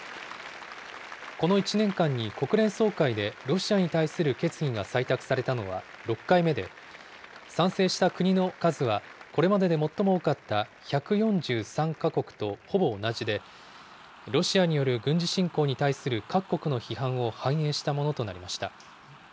この１年間に国連総会でロシアに対する決議が採択されたのは６回目で、賛成した国の数はこれまでで最も多かった１４３か国とほぼ同じで、ロシアによる軍事侵攻に対する各国の批判を反映したものとなりました。